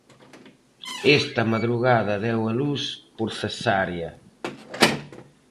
Esta madrugada deu a luz por cesárea.